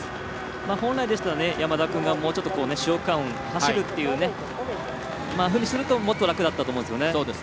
本来でしたら山田君がもうちょっと、主要区間を走るようにしたらもっと楽だったと思うんですよね。